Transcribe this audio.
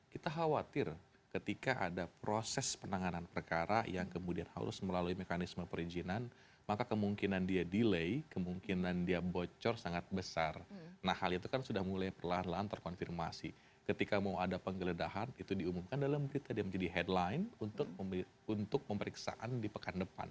kita tidak boleh masuk siapa pun tidak boleh masuk